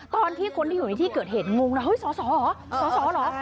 ตอนที่คนที่อยู่ในที่เกิดเหตุงงนะเฮ้ยสอหรอ